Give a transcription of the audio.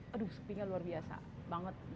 aduh sepinya luar biasa banget